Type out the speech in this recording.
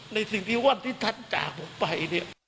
ในสิ่งที่วันที่ท่านจากผมไปเนี่ย